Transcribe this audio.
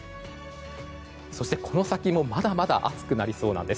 そしてこの先もまだまだ暑くなりそうなんです。